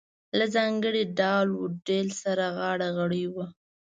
له ځانګړي ډال و ډیل سره غاړه غړۍ وه.